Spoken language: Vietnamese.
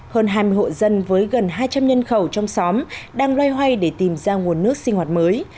hơn hai mươi hộ dân với gần hai trăm linh nhân khẩu trong xóm đang loay hoay để tìm ra nguồn nước sinh hoạt mới